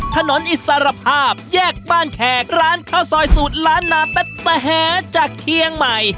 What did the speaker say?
อิสรภาพแยกบ้านแขกร้านข้าวซอยสูตรล้านนาแต๊กแหจากเชียงใหม่